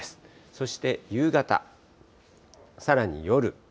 そして夕方、さらに夜。